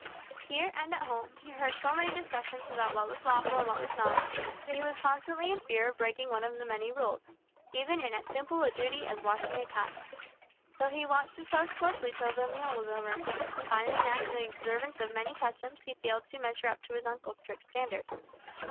Here and at home he heard so many discussions about what was lawful and what was not, that he was constantly in fear of breaking one of the many rules, even in as simple a duty as washing a cup. So he watched his host closely till the meal was over, finding that in the observance of many customs, he failed to measure up to his uncle's strict standard.